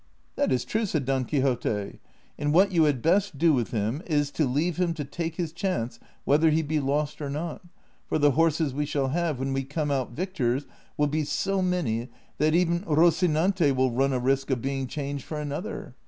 " That is triie," said Don Quixote, '' and what you had best do with him is to leave him to take his chance whether he be lost or not, for the horses we shall have when we come out victors will be so many that even Rocinante will nin a risk of being changed for another.